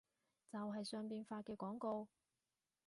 就係上邊發嘅廣告